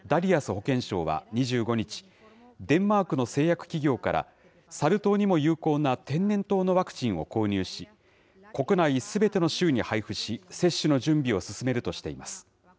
保健相は２５日、デンマークの製薬企業からサル痘にも有効な天然痘のワクチンを購入し、国内すべての州に配布し、接種の準備を進めるとしています。